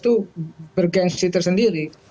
itu bergensi tersendiri